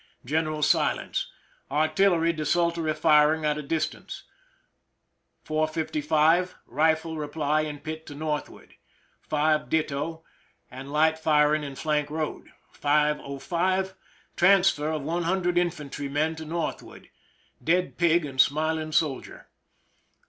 General silence. Artil lery desultory firing at a distance. 4 : 55, rifle reply in pit to northward. 5, ditto, and light firing in flank road. 5 : 05, transfer of 100 infantrymen to northward. Dead pig and smiling soldier.